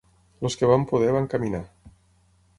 Els que van poder van caminar.